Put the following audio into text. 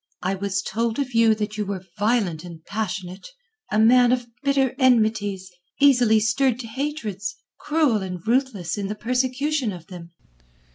I was told of you that you were violent and passionate, a man of bitter enmities, easily stirred to hatreds, cruel and ruthless in the persecution of them."